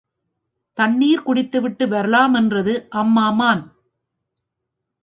தண்ணிர் குடித்துவிட்டு வரலாம் என்றது அம்மா மான்.